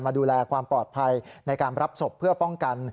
ดูแลความปลอดภัยในการรับศพเพื่อป้องกัน